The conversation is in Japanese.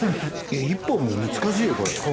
１本も難しいよこれ。